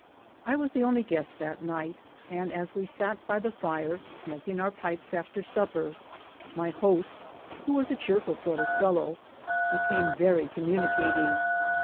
I was the only guest that night; and as we sat by the fire, smoking our pipes after supper, my host, who was a cheerful sort of fellow, became very communi cative.